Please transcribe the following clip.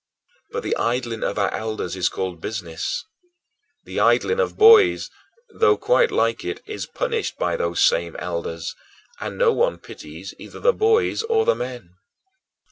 But the idling of our elders is called business; the idling of boys, though quite like it, is punished by those same elders, and no one pities either the boys or the men.